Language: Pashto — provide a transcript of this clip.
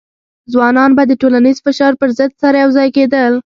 ځوانان به د ټولنیز فشار پر ضد سره یوځای کېدل.